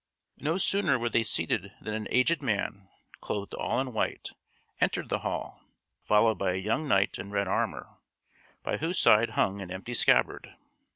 No sooner were they seated than an aged man, clothed all in white, entered the hall, followed by a young knight in red armour, by whose side hung an empty scabbard.